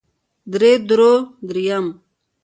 درې درو درېيم